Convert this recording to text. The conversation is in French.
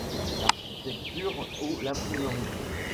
L’architecture ou l’imprimerie ?